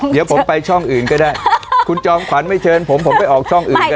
เดี๋ยวผมไปช่องอื่นก็ได้คุณจอมขวัญไม่เชิญผมผมไปออกช่องอื่นได้